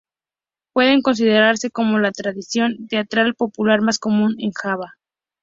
Pueden considerarse como la tradición teatral popular más común en Java.